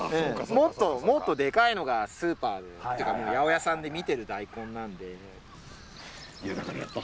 もっともっとでかいのがスーパーで八百屋さんで見てる大根なんで。